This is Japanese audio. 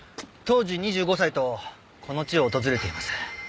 当時２５歳とこの地を訪れています。